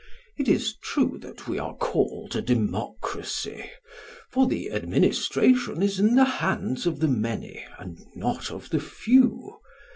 It is true that we are called a democracy, for the administration is in the hands of the many and not of the few.